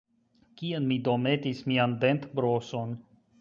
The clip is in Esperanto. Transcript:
Kien mi do metis mian dentbroson?